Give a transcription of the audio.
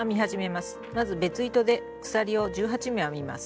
まず別糸で鎖を１８目編みます。